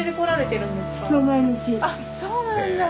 あっそうなんだ！